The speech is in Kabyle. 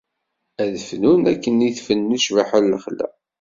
Ad fnun akken i tfennu ccbaḥa n lexla.